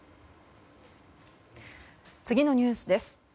次のニュースです。